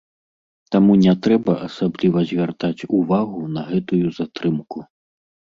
Таму не трэба асабліва звяртаць увагу на гэтую затрымку.